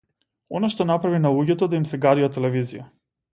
Она што направи на луѓето да им се гади од телевизија.